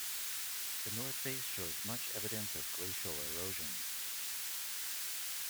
The north face shows much evidence of glacial erosion.